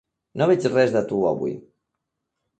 No veig res de tu avui.